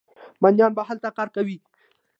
بندیانو به هلته کار کاوه.